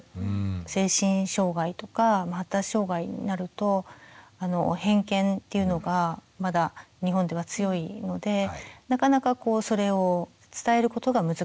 精神障害とか発達障害になると偏見っていうのがまだ日本では強いのでなかなかこうそれを伝えることが難しい。